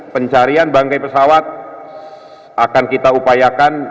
pencarian bangkai pesawat akan kita upayakan